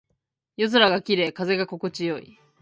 夜空が綺麗。風が心地よい。